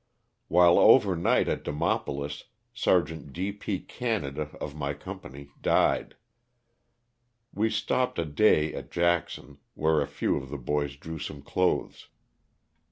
While over night at Demopolis, Sergeant D. P. Canada, of my company, died. We stopped a day at Jackson, where a few of the boys drew some clothes.